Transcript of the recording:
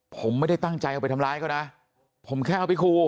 ผมไม่ได้ตั้งใจเอาไปทำร้ายเขานะผมแค่เอาไปคู่